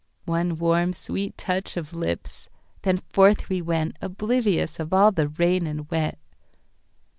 One warm sweet touch of lips—then forth we wentOblivious of all the rain and wet.